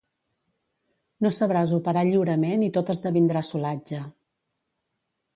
No sabràs operar lliurement i tot esdevindrà solatge.